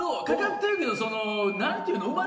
かかってるけど何て言うの？